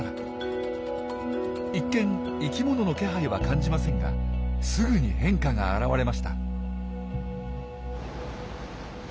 一見生きものの気配は感じませんがすぐに変化が現れました。